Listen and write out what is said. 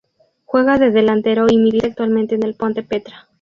Juega de delantero y milita actualmente en el Ponte Preta.